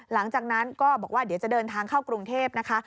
หลังจากนั้นก็บอกว่าเดี๋ยวจะเดินทางเข้ากรุงเทพนะคะ